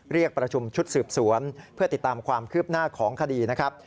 เรียกประชุมชุดสืบสวนเพื่อติดตามความคืบหน้าของคดีนะครับ